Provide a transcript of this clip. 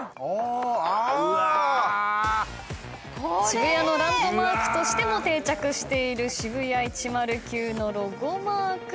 渋谷のランドマークとしても定着しているＳＨＩＢＵＹＡ１０９のロゴマーク